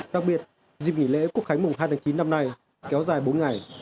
đặc biệt dịp nghỉ lễ quốc khánh mùng hai tháng chín năm nay kéo dài bốn ngày